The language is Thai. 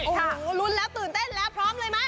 โอ้โหลุ้นแล้วตื่นเต้นแล้วพร้อมเลยไหม